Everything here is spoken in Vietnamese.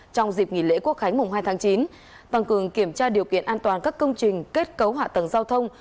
trong dịp nghỉ lễ quốc khánh mùng hai tháng chín tăng cường kiểm tra điều kiện an toàn các công trình kết cấu hạ tầng giao thông